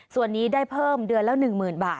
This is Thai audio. ส่วนนี้ได้เพิ่มเดือนละ๑๐๐๐บาท